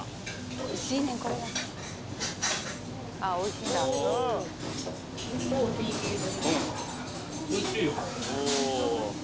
おいしいよ。